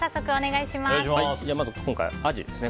まず、今回はアジですね。